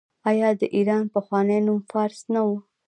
آیا د ایران پخوانی نوم فارس نه و؟